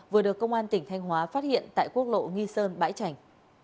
vừa được công an tỉnh thanh hóa phát hiện tại quốc lộ nghi sơn bãi trành